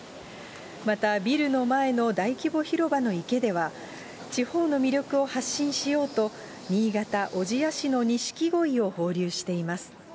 またビルの前の大規模広場の池では、地方の魅力を発信しようと、新潟・小千谷市の錦鯉を放流しています。